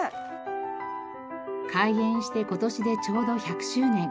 開園して今年でちょうど１００周年。